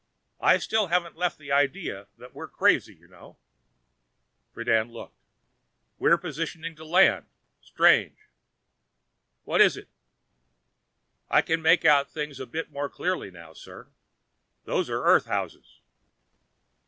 I still haven't left the idea that we're crazy, you know." Mr. Friden looked. "We're positioning to land. Strange " "What is it?" "I can make things out a bit more clearly now, sir. Those are earth houses."